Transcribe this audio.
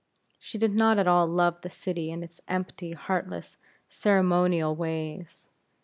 She did not at all love the city and its empty, heartless, ceremonial ways.